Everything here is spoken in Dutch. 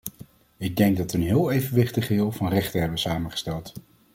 Ik denk dat we een heel evenwichtig geheel van rechten hebben samengesteld.